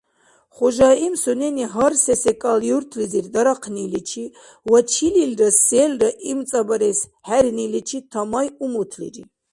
Хужаим сунени гьар се-секӀал юртлизир дарахъниличи ва чилилра селра имцӀабарес хӀерниличи тамай умутлира.